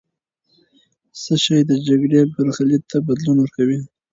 څه شی د جګړې برخلیک ته بدلون ورکړ؟